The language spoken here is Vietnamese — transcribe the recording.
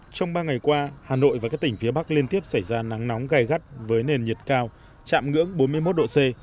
trong ba ngày qua hà nội và các tỉnh phía bắc liên tiếp xảy ra nắng nóng gai gắt với nền nhiệt cao chạm ngưỡng bốn mươi một độ c